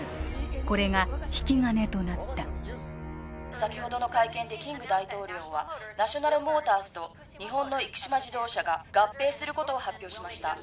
これが引き金となった先ほどの会見でキング大統領はナショナルモータースと日本の生島自動車が合併することを発表しました